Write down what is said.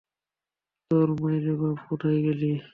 তোর মাইরে বাপ কোথায় গেলি?